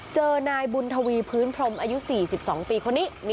เจอนายบุญทวีพื้นพรมอายุ๔๒ปีคนนี้